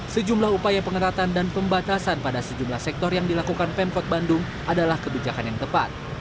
sejumlah upaya pengetatan dan pembatasan pada sejumlah sektor yang dilakukan pemfot bandung adalah kebijakan yang tepat